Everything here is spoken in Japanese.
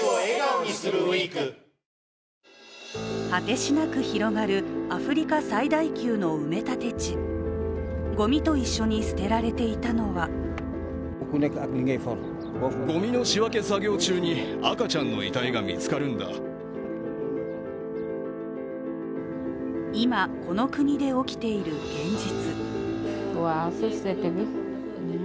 果てしなく広がるアフリカ最大級の埋め立て地ごみと一緒に捨てられていたのは今、この国で起きている現実。